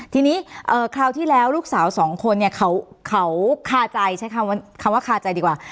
ทีนี้คราวที่แล้วลูกสาวสองคนเนี่ยเขาคาใจใช้คำว่าคาใจดีกว่า